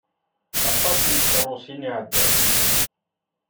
Aṭas n tkeṛṛusin i ɛeddan.